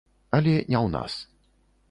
Але не ў нас.